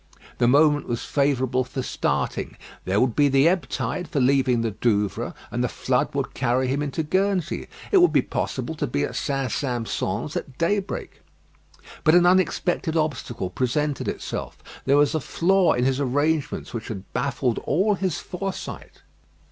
The moment was favourable for starting. There would be the ebb tide for leaving the Douvres; and the flood would carry him into Guernsey. It would be possible to be at St. Sampson's at daybreak. But an unexpected obstacle presented itself. There was a flaw in his arrangements which had baffled all his foresight.